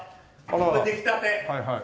これ出来たて。